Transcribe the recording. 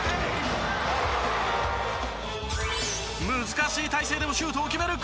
難しい体勢でもシュートを決める